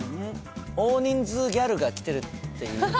大人数ギャルが来てるっていうところが。